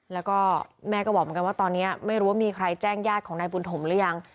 แล้วก็แม่ก็บอกเหมือนกันว่าตอนนี้ไม่รู้ว่ามีใครแจ้งญาติของนายบุญถมหรือยัง